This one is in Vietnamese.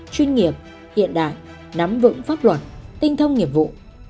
chuyên nghiệp hiện đại nắm vững pháp luật tinh thông nghiệp vụ